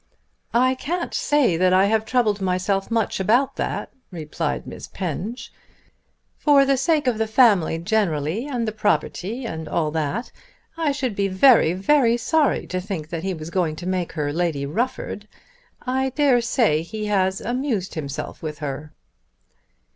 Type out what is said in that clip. "I can't say that I have troubled myself much about that," replied Miss Penge. "For the sake of the family generally, and the property, and all that, I should be very very sorry to think that he was going to make her Lady Rufford. I dare say he has amused himself with her."